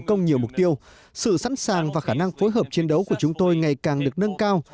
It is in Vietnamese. công nhiều mục tiêu sự sẵn sàng và khả năng phối hợp chiến đấu của chúng tôi ngày càng được nâng cao